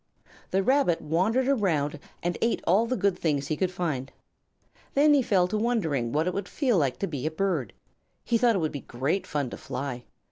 The Rabbit wandered around and ate all the good things he could find. Then he fell to wondering how it would feel to be a bird. He thought it would be great fun to fly.